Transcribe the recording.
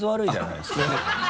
あっすいません。